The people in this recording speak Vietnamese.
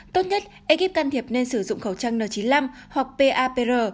tốt nhất ekip can thiệp nên sử dụng khẩu trang n chín mươi năm hoặc papr